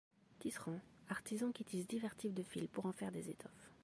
Tisserand, artisan qui tisse divers types de fils pour en faire des étoffes.